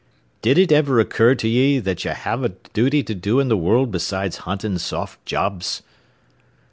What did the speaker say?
"Did it ever occur to ye that ye had a duty to do in the world beside huntin' soft jobs?"